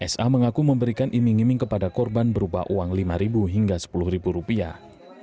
sa mengaku memberikan iming iming kepada korban berupa uang lima hingga sepuluh rupiah